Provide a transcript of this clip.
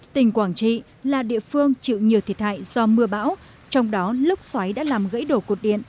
tỉnh quảng trị là địa phương chịu nhiều thiệt hại do mưa bão trong đó lốc xoáy đã làm gãy đổ cột điện